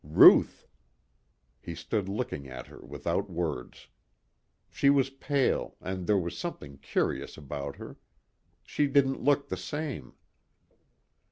Ruth! He stood looking at her without words. She was pale and there was something curious about her. She didn't look the same.